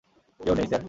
কেউ নেই, স্যার।